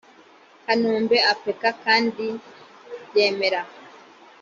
kanombe apeka kandi ryemera